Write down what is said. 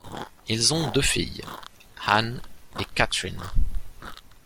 Ils ont deux filles, Ann et Catherine.